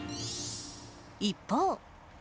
一方。